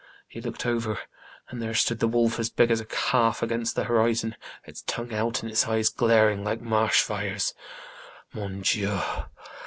He looked over, and there stood the wolf as big as a calf against the horizon, its tongue out, and its eyes glaring like marsh fires. Mon Dieu